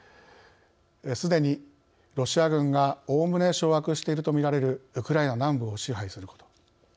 すでにロシア軍がおおむね掌握していると見られるウクライナ南部を支配すること。